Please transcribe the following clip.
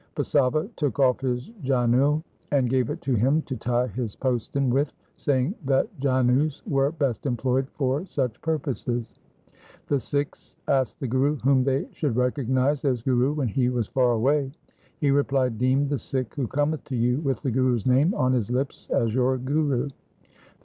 Basava took off his janeu and gave it to him to tie his postin with, saying that janeus were best employed for such purposes. The Sikhs asked the Guru whom they should recognize as Guru when he was far away. He replied, ' Deem the Sikh who cometh to you with the Guru's name on his lips as your Guru.'